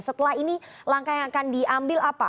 setelah ini langkah yang akan diambil apa